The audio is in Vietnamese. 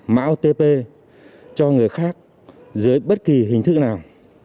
mạo tp cho người khác dưới bất kỳ hình thức nào